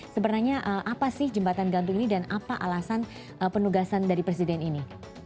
sebenarnya apa sih jembatan gantung ini dan apa alasan penugasan dari presiden ini